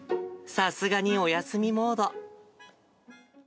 さすがにおやすみモード。